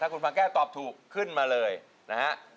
คุณฟังแก้วตอบถูกขึ้นมาเลยนะฮะ